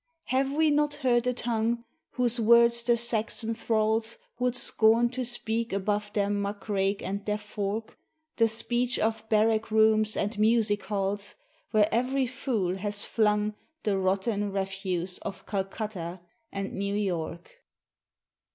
Have we not heard a tongue, Whose words the Saxon thralls Would scorn to speak above their muck rake and their fork, The speech of barrack rooms and music halls, Where every fool has flung The rotten refuse of Calcutta and New York?